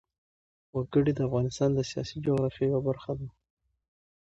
وګړي د افغانستان د سیاسي جغرافیه یوه برخه ده.